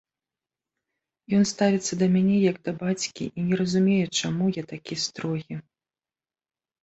Ён ставіцца да мяне, як да бацькі і не разумее, чаму я такі строгі.